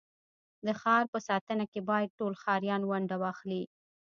د ښار په ساتنه کي بايد ټول ښاریان ونډه واخلي.